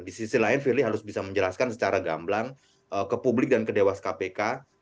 di sisi lain firly harus bisa menjelaskan secara gamblang ke publik dan ke dewas kpk